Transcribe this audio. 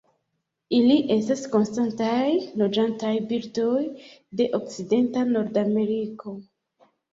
Ili estas konstantaj loĝantaj birdoj de okcidenta Nordameriko.